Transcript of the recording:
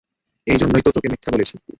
এই জন্যই তো তোকে মিথ্যা বলেছি।